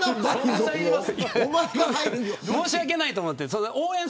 申し訳ないと思って。